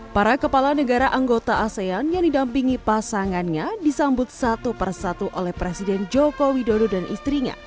para kepala negara anggota asean yang didampingi pasangannya disambut satu persatu oleh presiden joko widodo dan istrinya